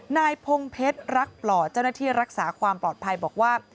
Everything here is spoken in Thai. นายพงเพชรรักปล่อเจ้าหน้าที่รักษาความปลอดภัยบอกว่า